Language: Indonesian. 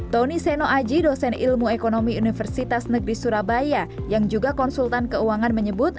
tony seno aji dosen ilmu ekonomi universitas negeri surabaya yang juga konsultan keuangan menyebut